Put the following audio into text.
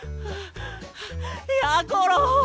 やころ！